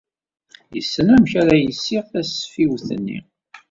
Yessen amek ara yessiɣ tasfiwt-nni.